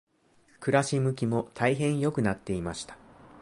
暮し向きも大変良くなっていました。